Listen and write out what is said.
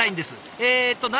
えっと